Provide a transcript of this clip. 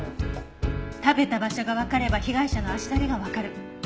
食べた場所がわかれば被害者の足取りがわかる。